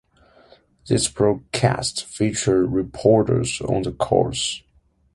The broadcasts feature reporters on the course.